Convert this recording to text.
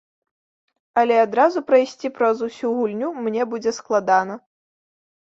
Але адразу прайсці праз усю гульню мне будзе складана.